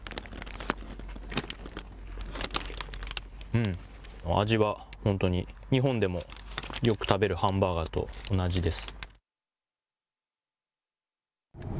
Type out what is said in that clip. うん、味は本当に日本でもよく食べるハンバーガーと同じです。